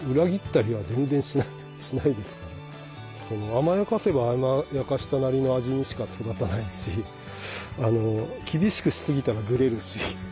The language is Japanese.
甘やかせば甘やかしたなりの味にしか育たないし厳しくしすぎたらグレるし。